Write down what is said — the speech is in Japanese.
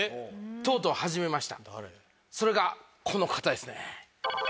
それがこの方ですね。